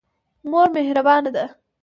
مور مهربانه ده.